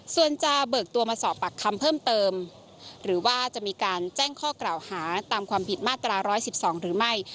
ส่วนจะเบิกตัวมาสอบปากคำเพิ่มเติมหรือว่าจะมีการแจ้งข้อกล่าวหาตามความผิดมาตรา๑๑๒หรือไม่